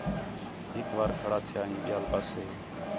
ہِک وار کھڑا تِھیا ہیں ٻِیال ٻس ہِے